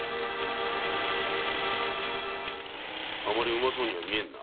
うまそうには見えんな。